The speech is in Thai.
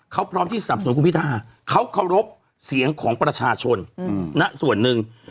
เขาพร้อมที่สนับสนุนคุณพิทาเขาเคารพเสียงของประชาชนณส่วนหนึ่ง